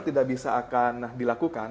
tidak bisa akan dilakukan